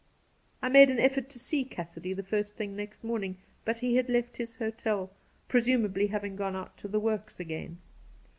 I made an effort to see Cassidy the first thing next morning, but he had left his hotel — pre sumably having gone out to the works again.